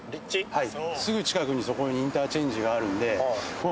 はい。